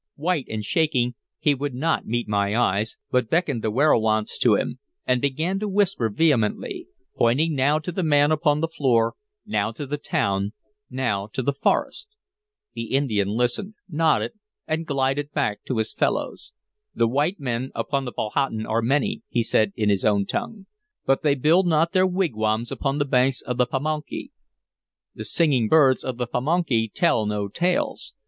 White and shaking, he would not meet my eyes, but beckoned the werowance to him, and began to whisper vehemently; pointing now to the man upon the floor, now to the town, now to the forest. The Indian listened, nodded, and glided back to his fellows. "The white men upon the Powhatan are many," he said in his own tongue, "but they build not their wigwams upon the banks of the Pamunkey. 1 The singing birds of the Pamunkey tell no tales.